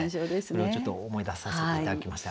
それをちょっと思い出させて頂きました。